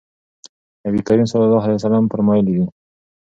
نبي کريم صلی الله عليه وسلم فرمايلي دي: